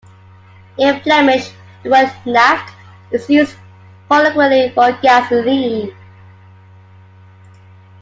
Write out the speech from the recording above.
In Flemish, the word "naft" is used colloquially for gasoline.